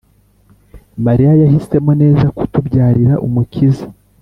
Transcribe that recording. Mariya yahisemo neza kutubyarira umukiza